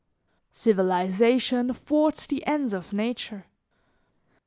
"Civilization thwarts the ends of nature.